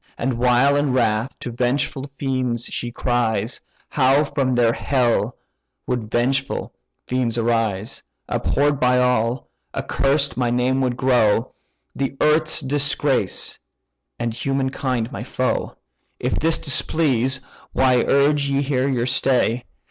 And while in wrath to vengeful fiends she cries, How from their hell would vengeful fiends arise! Abhorr'd by all, accursed my name would grow, The earth's disgrace, and human kind my foe. If this displease, why urge ye here your stay?